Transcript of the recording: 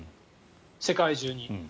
世界中に。